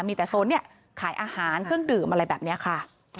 มีแต่โซนเนี่ยขายอาหารเครื่องดื่มอะไรแบบนี้ค่ะ